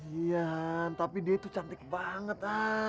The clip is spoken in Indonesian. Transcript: iya han tapi dia tuh cantik banget han